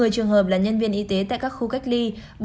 một mươi trường hợp là nhân viên y tế tại các khu cách ly